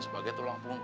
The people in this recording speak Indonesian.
sebagai tulang punggung